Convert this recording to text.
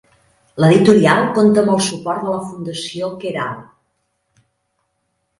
L'editorial compta amb el suport de la Fundació Quer Alt.